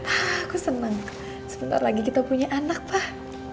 aku senang sebentar lagi kita punya anak pak